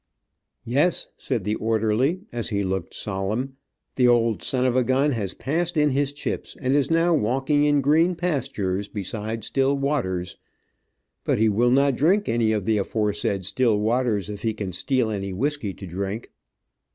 "Yes," said the orderly, as he looked solemn, "The old son of a gun has passed in his chips, and is now walking in green pastures, beside still waters, but he will not drink any of the aforesaid still waters, if he can steal any whisky to drink."